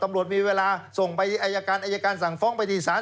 ตำรวจมีเวลาส่งไปไอบรรยาการไอศาคดิ์สาร